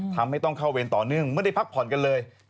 ทำให้ต้องเข้าเวรต่อเนื่องไม่ได้พักผ่อนกันเลย